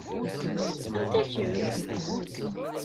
Anta kemm?